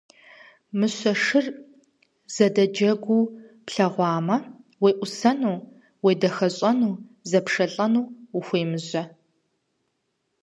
Мыщэ шыр зэдэджэгуу плъагъумэ, уеӀусэну, уедэхащӀэу зэпшэлӀэну ухуемыжьэ.